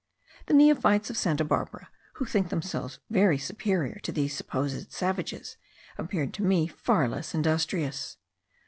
The neophytes of Santa Barbara, who think themselves very superior to these supposed savages, appeared to me far less industrious.